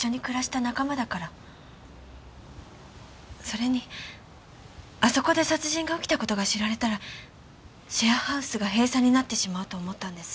それにあそこで殺人が起きた事が知られたらシェアハウスが閉鎖になってしまうと思ったんです。